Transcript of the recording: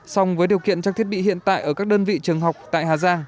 song với điều kiện trang thiết bị hiện tại ở các đơn vị trường học tại hà giang